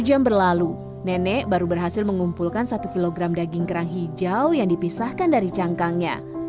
dua jam berlalu nenek baru berhasil mengumpulkan satu kg daging kerang hijau yang dipisahkan dari cangkangnya